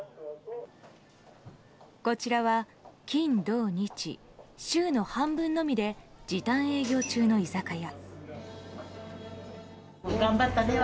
こちらは金、土、日週の半分のみで時短営業中の居酒屋。